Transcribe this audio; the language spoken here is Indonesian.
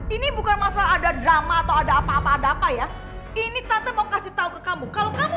ini bukan masalah ada drama atau ada apa apa ada apa ya ini tante mau kasih tahu ke kamu kalau kamu